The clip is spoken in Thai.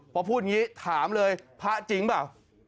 พอพูดอย่างนี้ถามเลยพระจริงเปล่า